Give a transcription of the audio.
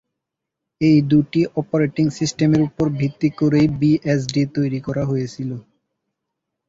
এই দুটি অপারেটিং সিস্টেমের উপর ভিত্তি করেই বিএসডি তৈরি করা হয়েছিল।